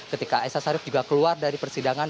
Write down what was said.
ketika elsa syarif juga keluar dari persidangan